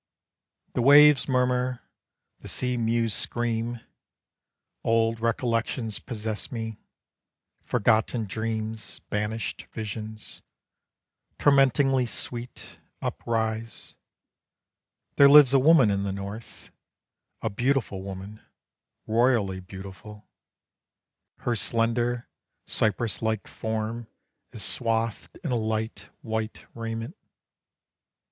The waves murmur, the sea mews scream, Old recollections possess me; Forgotten dreams, banished visions, Tormentingly sweet, uprise. There lives a woman in the North, A beautiful woman, royally beautiful. Her slender, cypress like form Is swathed in a light, white raiment.